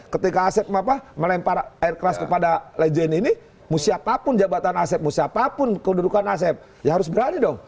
ketika asep melempar air keras kepada lejen ini musiappapun jabatan asep musiappapun kedudukan asep ya harus berani dong